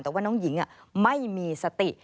แต่ว่าน้องหญิงไม่มีสติ